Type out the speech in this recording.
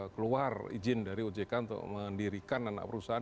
keluar izin dari ojk untuk mendirikan anak perusahaan